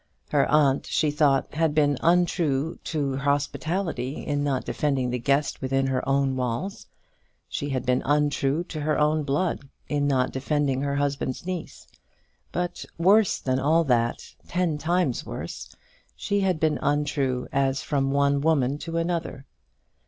Her aunt, she thought, had been untrue to hospitality in not defending the guest within her own walls; she had been untrue to her own blood, in not defending her husband's niece; but, worse than all that, ten times worse, she had been untrue as from one woman to another!